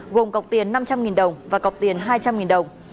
gồm cọc tiền năm trăm linh đồng và cọc tiền hai trăm linh đồng